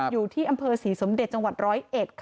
อยู่ที่อำเภอศรีสมเด็จจังหวัด๑๐๑